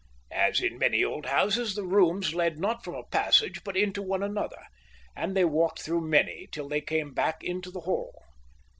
As in many old houses, the rooms led not from a passage but into one another, and they walked through many till they came back into the hall.